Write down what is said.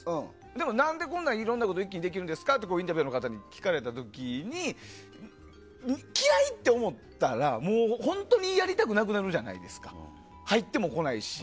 でも何でこんないろんなことをできるんですかってインタビュアーの方に聞かれた時に嫌いって思ったらもう本当にやりたくなくなるじゃないですか、入ってもこないし。